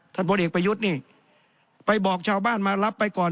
พลเอกประยุทธ์นี่ไปบอกชาวบ้านมารับไปก่อน